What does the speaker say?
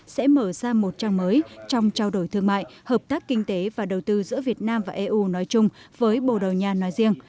sẽ mở ra một trang mới trong trao đổi thương mại hợp tác kinh tế và đầu tư giữa việt nam và eu nói chung với bồ đầu nha nói riêng